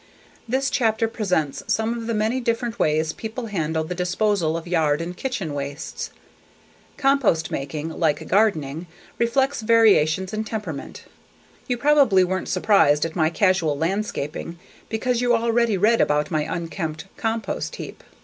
This chapter presents some of the many different ways people handle the disposal of yard and kitchen wastes. Compost making, like gardening, reflects variations in temperament. You probably weren't surprised at my casual landscaping because you already read about my unkempt compost heap.